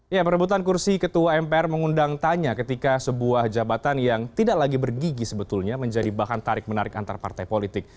ya perebutan kursi ketua mpr mengundang tanya ketika sebuah jabatan yang tidak lagi bergigi sebetulnya menjadi bahan tarik menarik antar partai politik